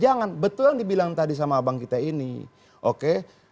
jangan betul yang dibilang tadi sama abang kita ini oke